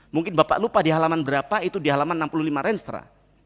mungkin bapak lupa di halaman berapa itu di halaman enam puluh lima renstra